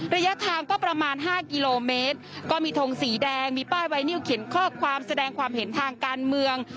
ระยะทางก็ประมาณ๕กิโลเมตรก็มีทงสีแดงมีป้ายไวนิวเขียนข้อความแสดงความเห็นทางการเมือง